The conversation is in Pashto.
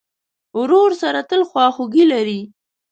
ورور سره تل خواخوږی لرې.